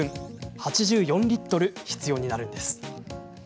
８４リットル必要になるんです。